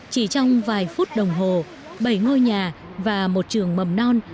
chỉ trong vài phút đồng hồ bảy ngôi nhà và một trường mầm non